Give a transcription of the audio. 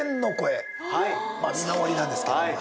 見守りなんですけど。